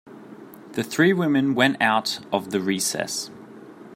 The three women went out of the recess.